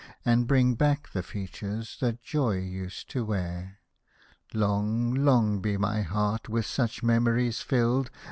And bring back the features that joy used to wear. Long, long be my heart with such memories filled